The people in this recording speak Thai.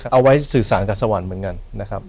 เอาไว้สื่อสารกับสวรรค์เหมือนกันนะครับ